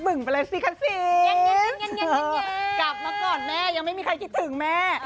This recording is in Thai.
เอ้ายอมใจเธอมันยอดนักสู้ตัวจริง